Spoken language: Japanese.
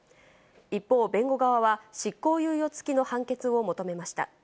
一方、弁護側は、執行猶予付きの判決を求めました。